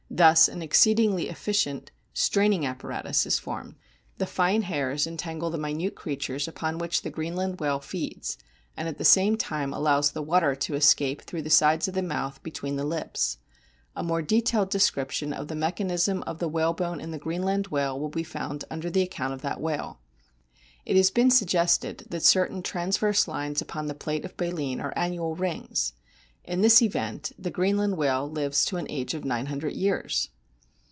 Thus an exceedingly efficient straining 84 A BOOK OF WHALES apparatus is formed. The fine hairs entangle the minute creatures upon which the Greenland whale feeds, and at the same time allows the water to escape through the sides of the mouth between the lips. A more detailed description of the mechanism of the whalebone in the Greenland whale will be found under the account of that whale. It has been suggested that certain transverse lines upon the plates of baleen are annual rings. In this event the Greenland whale lives to an age of nine hundred years